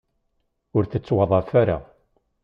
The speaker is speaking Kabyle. Ur tettwaḍḍaf ara.